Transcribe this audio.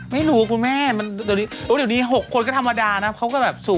ไม่รู้คุณแม่เดี๋ยวนี้๖คนก็ธรรมดานะเค้าก็แบบสวย